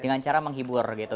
dengan cara menghibur gitu